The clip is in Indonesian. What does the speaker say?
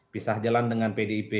pisah jalan dengan pdip